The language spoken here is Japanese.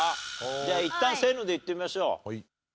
じゃあいったん「せーの」で言ってみましょう。